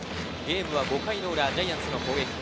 ゲームは５回裏、ジャイアンツの攻撃。